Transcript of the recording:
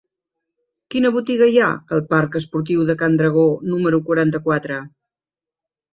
Quina botiga hi ha al parc Esportiu de Can Dragó número quaranta-quatre?